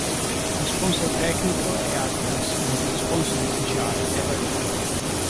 Lo sponsor tecnico è adidas, mentre lo sponsor ufficiale è Barilla.